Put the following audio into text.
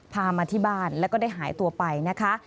มาที่บ้านแล้วก็ได้หายตัวไปนะคะ